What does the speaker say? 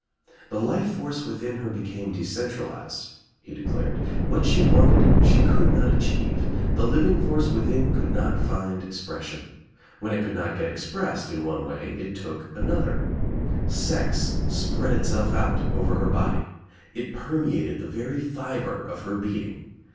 "The life force within her became decentralized," he declared. "What she wanted she could not achieve. The living force within :ould not find expression. When it could not get ex fi 30 THE TRIUMPH OF THE EGG pressed in one way it took another. Sex spread itself out over her body. It permeated the very fibre of her being.